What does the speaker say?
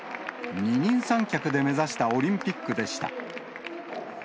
二人三脚で目指したオリンピックでした。